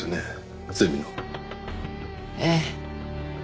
ええ。